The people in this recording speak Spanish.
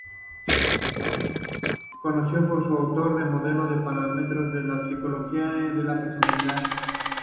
Conocido por ser el autor del Modelo de Parámetros en Psicología de la Personalidad.